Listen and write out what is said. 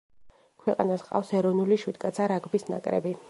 ქვეყანას ჰყავს ეროვნული შვიდკაცა რაგბის ნაკრები.